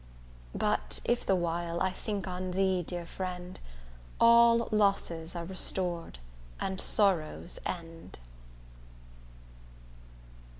But if the while I think on thee, dear friend, All losses are restor'd and sorrows end.